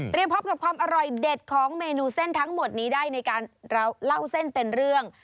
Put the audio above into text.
พบกับความอร่อยเด็ดของเมนูเส้นทั้งหมดนี้ได้ในการเล่าเส้นเป็นเรื่อง